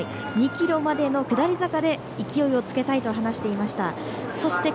２ｋｍまでの下り坂で勢いをつけたいと話していました。